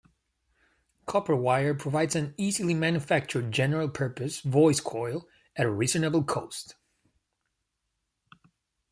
Copper wire provides an easily manufactured, general purpose voice coil, at a reasonable cost.